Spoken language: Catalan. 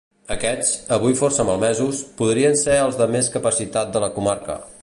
Aquests, avui força malmesos, podrien ser els de més capacitat de la comarca.